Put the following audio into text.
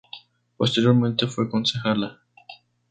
Posteriormente fue concejala.